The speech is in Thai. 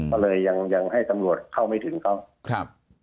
ก็เลยยังให้สำรวจเข้าไม่ถึงเขา